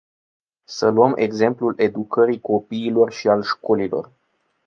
Să luăm exemplul educării copiilor și al școlilor.